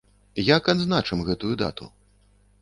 Як адзначым гэтую дату?